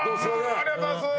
ありがとうございます！